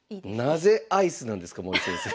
なぜアイスなんですか森先生。